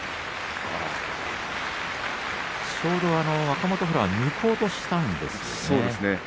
ちょうど若元春が抜こうとしたんですね。